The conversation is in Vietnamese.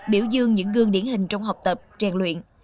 biểu dương những gương điển hình trong học tập trang luyện